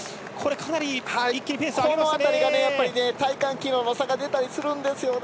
かなり、一気にこの辺りが体幹機能の差が出たりするんですよね。